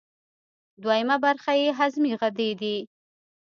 دویمه برخه یې هضمي غدې دي.